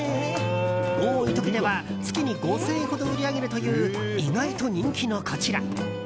多い時では月に５０００円ほど売り上げるという意外と人気のこちら。